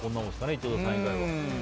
井戸田さん以外は。